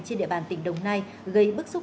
trên địa bàn tỉnh đồng nai gây bức xúc